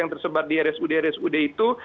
yang tersebar di rsud rsud itu